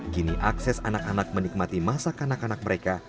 kini akses anak anak menikmati masak anak anak mereka